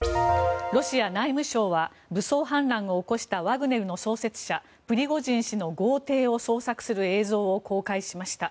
ロシア内務省は武装反乱を起こしたワグネルの創設者プリゴジン氏の豪邸を捜索する映像を公開しました。